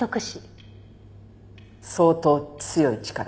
相当強い力。